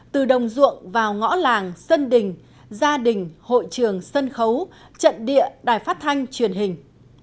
từ đồng ruộng vào ngõ làng sân đình gia đình hội trường sân khấu trận địa đài phát thanh truyền hình